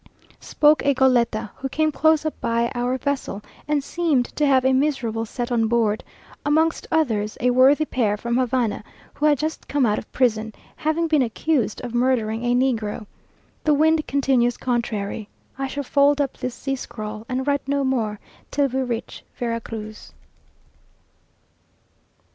Spoke a goleta, who came close up by our vessel, and seemed to have a miserable set on board, amongst others, a worthy pair from Havana, who had just come out of prison, having been accused of murdering a negro. The wind continues contrary. I shall fold up this sea scrawl, and write no more till we reach Vera Cruz.